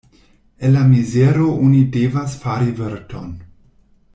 El la mizero oni devas fari virton.